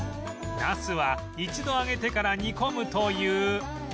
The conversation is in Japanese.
ナスは一度揚げてから煮込むという